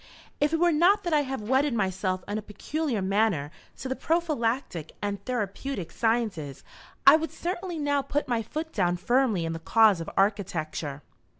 "If it were not that I have wedded myself in a peculiar manner to the prophylactick and therapeutick sciences, I would certainly now put my foot down firmly in the cause of architecture.